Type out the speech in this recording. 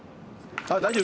大丈夫？